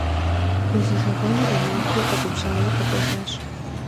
Узижэгъуэныр и махуэу къэгубжьауэ къэкӏуэжащ.